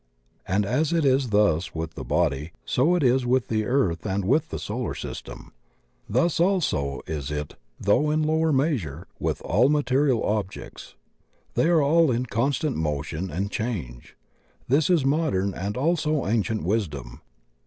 And as it is thus with the body, so is it with the earth and with the solar system. Thus also is it, though in slower measure, with all material objects. They are all in constant motion and change. This is modem and also ancient wisdom.